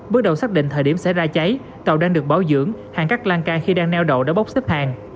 bước đầu xác định thời điểm sẽ ra cháy tàu đang được bảo dưỡng hàng cắt lan ca khi đang neo độ đã bóc xếp hàng